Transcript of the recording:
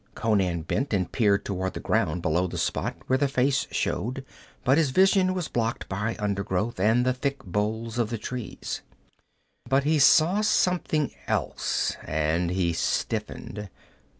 Conan bent and peered toward the ground below the spot where the face showed, but his vision was blocked by undergrowth and the thick boles of the trees. But he saw something else, and he stiffened.